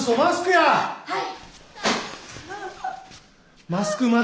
はい！